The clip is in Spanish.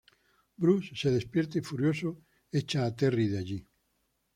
Bruce se despierta y, furioso, echa a Terry de allí.